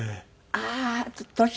ああ年が。